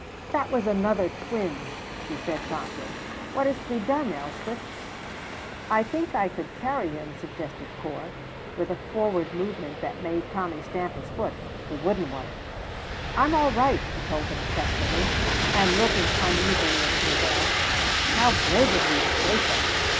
"That was another twinge," she said promptly. "What is to be done, Elspeth?" "I think I could carry him," suggested Corp, with a forward movement that made Tommy stamp his foot the wooden one. "I am all right," he told them testily, and looking uneasily at Grizel. "How brave of you to say so!"